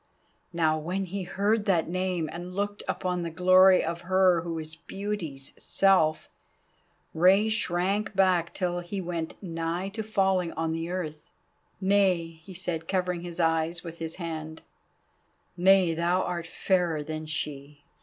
Now when he heard that name, and looked upon the glory of her who is Beauty's self, Rei shrank back till he went nigh to falling on the earth. "Nay," he said, covering his eyes with his hand; "nay thou art fairer than she."